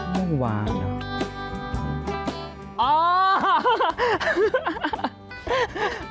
เมื่อวานเหรอ